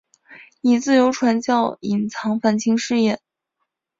以自由传教隐藏反清事业。